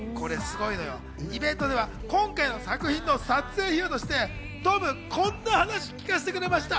イベントでは今回の作品の撮影秘話としてトム、こんな話聞かせてくれました。